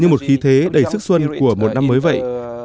như một khí thế đầy sức xuân của một năm mới vậy